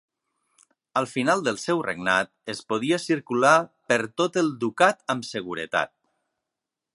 Al final del seu regnat es podia circular per tot el ducat amb seguretat.